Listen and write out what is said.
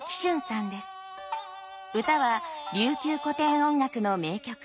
唄は琉球古典音楽の名曲